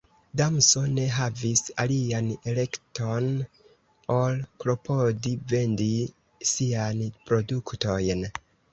Damso ne havis alian elekton ol klopodi vendi siajn produktojn.